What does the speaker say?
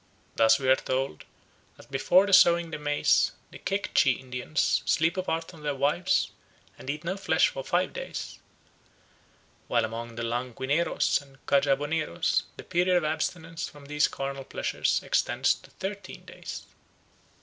Thus we are told that before sowing the maize the Kekchi Indians sleep apart from their wives, and eat no flesh for five days, while among the Lanquineros and Cajaboneros the period of abstinence from these carnal pleasures extends to thirteen days.